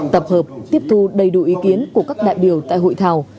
tập hợp tiếp thu đầy đủ ý kiến của các đại biểu tại hội thảo